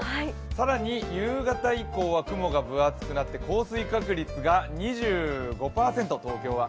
更に、夕方以降は雲が分厚くなって降水確率が２５％、東京は。